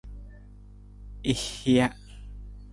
I hija.